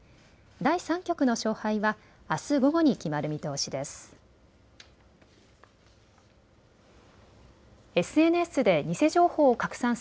第３局の勝敗はあす午後に決まる見通しです。